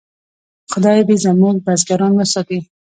خدای دې زموږ بزګران وساتي.